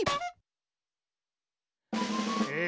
え